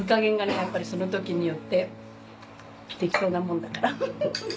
やっぱりその時によって適当なもんだからウフフフ。